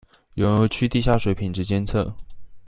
永和區地下水品質監測